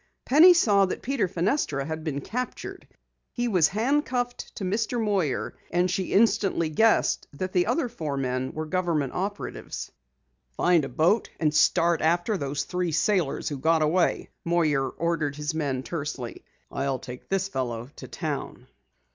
Penny saw that Peter Fenestra had been captured. He was handcuffed to Mr. Moyer, and she instantly guessed that the other four men were government operatives. "Find a boat and start after those three sailors who got away!" Moyer ordered his men tersely. "I'll take this fellow to town."